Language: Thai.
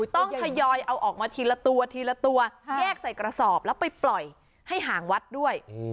ต้องทยอยเอาออกมาทีละตัวทีละตัวแยกใส่กระสอบแล้วไปปล่อยให้ห่างวัดด้วย